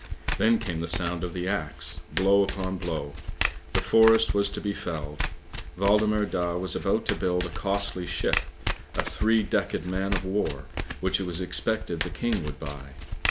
Then came the sound of the axe, blow upon blow; the forest was to be felled. Waldemar Daa was about to build a costly ship, a three decked man of war, which it was expected the King would buy.